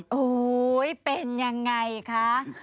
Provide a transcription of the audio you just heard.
โอ้โหเป็นยังไงคะ